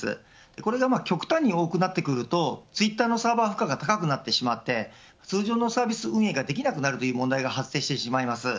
これが極端に多くなってくるとツイッターのサーバ負荷が高くなってしまって通常のサービス運営ができなくなるという問題が発生してしまいます。